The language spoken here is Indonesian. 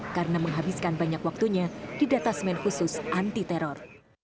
karena menghabiskan banyak waktunya di datasmen khusus anti teror